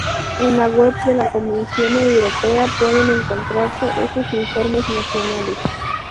En la web de la Comisión Europea pueden encontrarse esos informes nacionales.